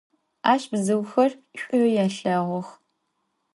Aş bzıuxer ş'u yêlheğux.